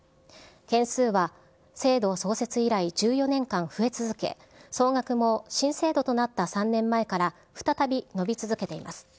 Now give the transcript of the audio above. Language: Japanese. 件数は制度創設以来１４年間増え続け、総額も新制度となった３年前から再び伸び続けています。